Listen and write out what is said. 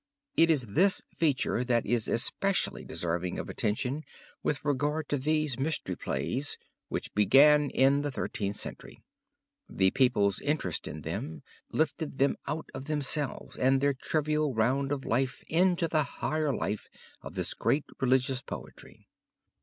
It is this feature that is especially deserving of attention with regard to these mystery plays which began in the Thirteenth Century. The people's interest in them, lifted them out of themselves and their trivial round of life into the higher life of this great religious poetry.